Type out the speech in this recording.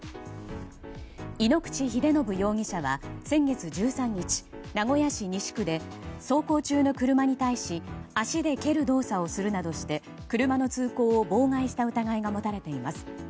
井ノ口秀信容疑者は先月１３日名古屋市西区で走行中の車に対し足で蹴る動作をするなどして車の通行を妨害した疑いが持たれています。